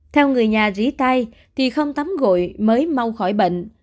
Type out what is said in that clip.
theo người nhà rí tai thì không tắm gội mới mau khỏi bệnh